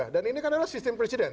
dan ini kan adalah sistem presiden